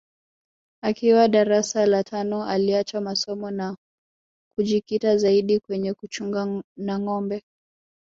Akiwa darasa la tano aliacha masomo na kujikita zaidi kwenye kuchunga nâgombe